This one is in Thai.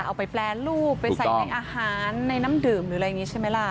เอาไปแปรรูปไปใส่ในอาหารในน้ำดื่มหรืออะไรอย่างนี้ใช่ไหมล่ะ